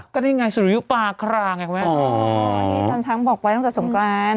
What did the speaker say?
ก็นี่ไงสุริยุปาคลางอ๋อจันทร์ช้างบอกไว้ตั้งแต่สมกราน